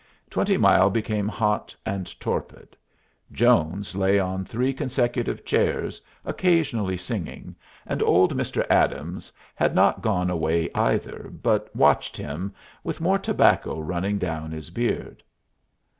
Twenty Mile became hot and torpid. Jones lay on three consecutive chairs, occasionally singing, and old Mr. Adams had not gone away either, but watched him, with more tobacco running down his beard.